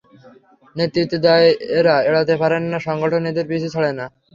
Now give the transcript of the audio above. নেতৃত্বের দায় এঁরা এড়াতে পারেন না, সংগঠন এঁদের পিছু ছাড়ে না।